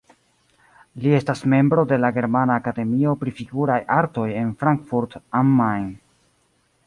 Li estas membro de la Germana akademio pri figuraj artoj en Frankfurt am Main.